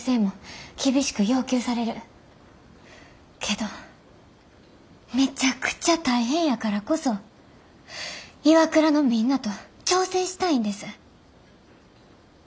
けどめちゃくちゃ大変やからこそＩＷＡＫＵＲＡのみんなと挑戦したいんです。